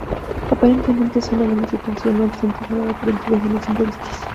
Aparentemente, es una mala situación, no obstante salvada por intervenciones imprevistas.